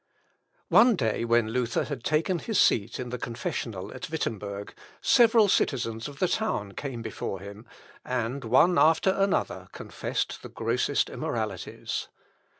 One day when Luther had taken his seat in the confessional at Wittemberg, several citizens of the town came before him, and one after another confessed the grossest immoralities.